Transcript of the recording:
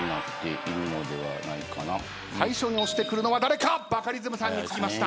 最初に押してくるのは誰か⁉バカリズムさんにつきました。